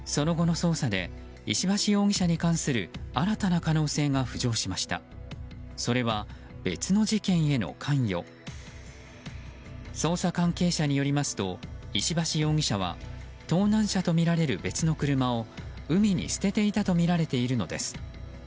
捜査関係者によりますと石橋容疑者は盗難車とみられる別の車を海に捨てていたとみられているのです。